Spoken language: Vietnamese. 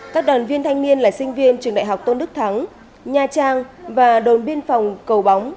các đoàn viên thanh niên là sinh viên trường đại học tôn đức thắng nha trang và đồn biên phòng cầu bóng